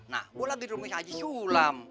nah gue lagi di rumahnya aja sulam